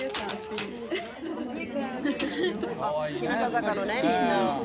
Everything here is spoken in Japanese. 日向坂のねみんな。